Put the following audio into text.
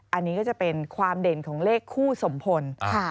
อันนี้ก็จะเป็นความเด่นของเลขคู่สมพล